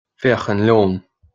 Féach an leon!